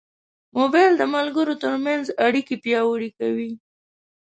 موبایل د ملګرو ترمنځ اړیکې پیاوړې کوي.